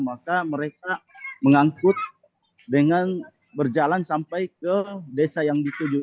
maka mereka mengangkut dengan berjalan sampai ke desa yang dituju